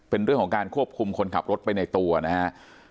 เป็นเรื่องของการควบคุมคนขับรถไปในตัวนะครับ